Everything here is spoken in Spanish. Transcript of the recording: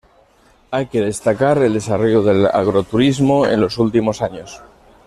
Hay que destacar el desarrollo del agroturismo en los últimos años.